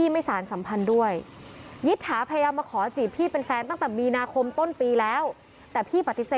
เริ่มไม่พอใจเหรอครับพอเราบอก